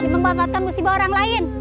membawakan musibah orang lain